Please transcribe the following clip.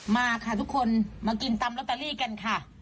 มาค่ะทุกคนมากินตำลอตเตอรี่กันค่ะ